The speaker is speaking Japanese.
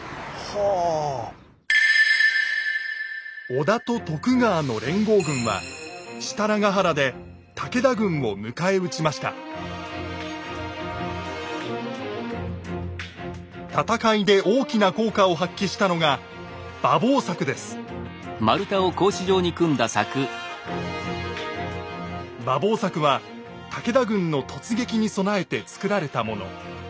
織田と徳川の連合軍は設楽原で武田軍を迎え撃ちました戦いで大きな効果を発揮したのが「馬防柵」は武田軍の突撃に備えて作られたもの。